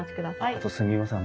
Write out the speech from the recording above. あとすみません。